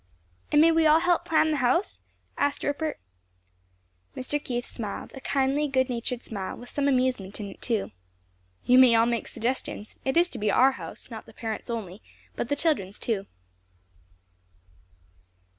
"And may we all help plan the house?" asked Rupert. Mr. Keith smiled, a kindly good natured smile, with some amusement in it too. "You may all make suggestions; it is to be our house: not the parents' only, but the children's, too."